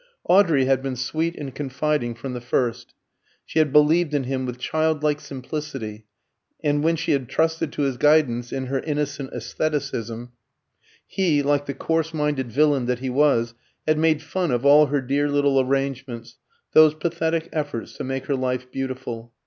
Audrey had been sweet and confiding from the first; she had believed in him with childlike simplicity, and when she had trusted to his guidance in her innocent æstheticism, he, like the coarse minded villain that he was, had made fun of all her dear little arrangements, those pathetic efforts to make her life beautiful.